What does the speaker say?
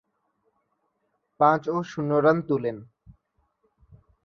পাঁচ ও শূন্য রান তুলেন।